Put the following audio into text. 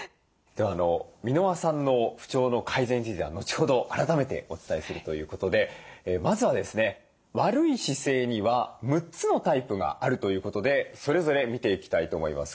では箕輪さんの不調の改善については後ほど改めてお伝えするということでまずはですね悪い姿勢には６つのタイプがあるということでそれぞれ見ていきたいと思います。